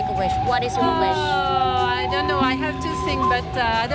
คุณต้องสัญญาติอะไรคุณต้องสัญญาติอะไร